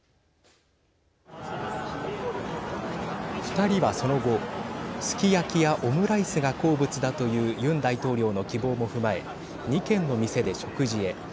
２人はその後、すき焼きやオムライスが好物だというユン大統領の希望も踏まえ２軒の店で食事へ。